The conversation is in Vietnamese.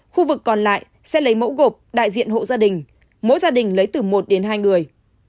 khu vực còn lại sẽ lấy mẫu gộp đại diện hộ gia đình mỗi gia đình lấy từ một đến hai người